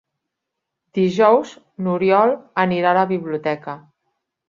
Dijous n'Oriol anirà a la biblioteca.